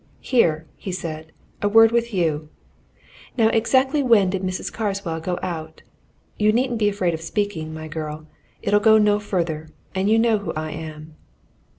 "Here!" he said, "a word with you. Now, exactly when did Mrs. Carswell go out? You needn't be afraid of speaking, my girl it'll go no further, and you know who I am."